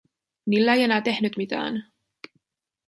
Niillä ei enää tehnyt mitään.